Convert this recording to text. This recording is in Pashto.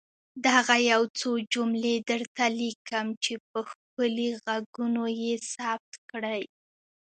دغه يو څو جملې درته ليکم چي په ښکلي ږغونو يې ثبت کړئ.